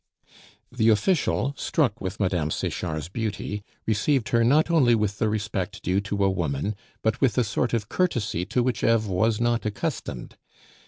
The official, struck with Mme. Sechard's beauty, received her not only with the respect due to a woman but with a sort of courtesy to which Eve was not accustomed.